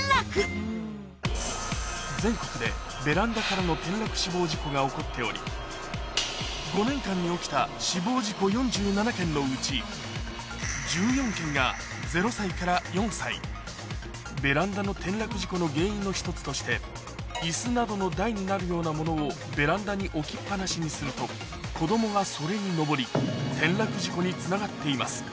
全国でベランダからの転落死亡事故が起こっており５年間に起きた死亡事故４７件のうちベランダの転落事故の原因の１つとして椅子などの台になるようなものをベランダに置きっ放しにすると子供がそれに登り転落事故につながっています